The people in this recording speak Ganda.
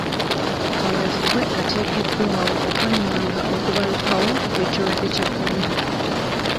Kaweefube ateekeddwawo okwengaanga okubalukawo kw'ekirwadde kya Kolera.